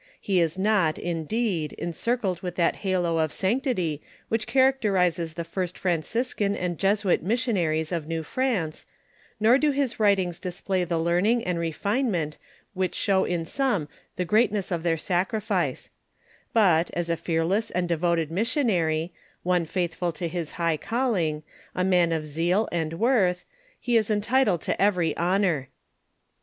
He is not, indeed, encircled with that halo of sanctity which characterizes the first Franciscan and Jesuit missionaries of New France, nor do his writings dis play the learning and refinement which show in some the greatness of their sac rifice ; but^ as a fearless and devoted missionary, one faithful to his high calling, a man of zeal and worth, he is entitled to every honor.